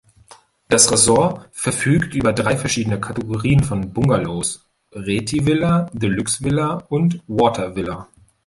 Das Resort verfügt über drei verschiedene Kategorien von Bungalows: Reethi-Villa, Deluxe-Villa und Water-Villa.